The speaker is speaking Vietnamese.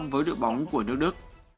với đội bóng của nước đức